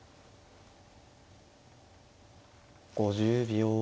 ５０秒。